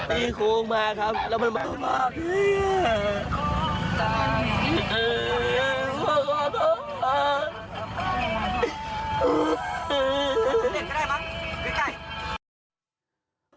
พี่โค้งมาครับแล้วมันมาพ่อขอโทษ